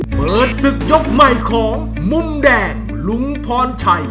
เปิดศึกยกใหม่ของมุมแดงลุงพรชัย